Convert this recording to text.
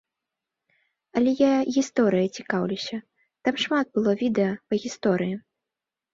Але я гісторыяй цікаўлюся, там шмат было відэа па гісторыі.